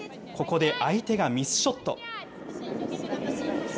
ここで相手がミスショット。